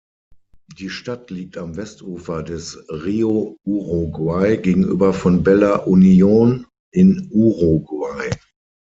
Die Stadt liegt am Westufer des Río Uruguay gegenüber von Bella Unión in Uruguay.